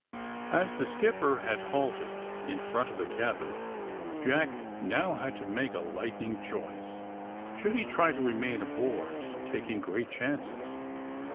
As the skipper had halted in front of the cabin Jack now had to make a lightning choice. Should he try to remain aboard, taking great chances!